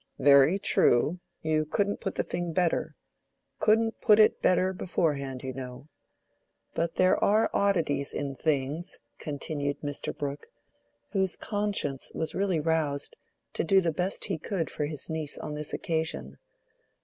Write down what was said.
"Very true. You couldn't put the thing better—couldn't put it better, beforehand, you know. But there are oddities in things," continued Mr. Brooke, whose conscience was really roused to do the best he could for his niece on this occasion.